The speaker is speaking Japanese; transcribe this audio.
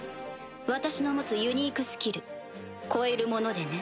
私の持つユニークスキル簒奪者でね。